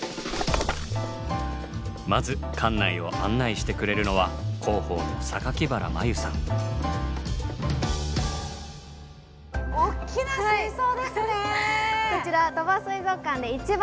まず館内を案内してくれるのは広報のおっきな水槽ですね。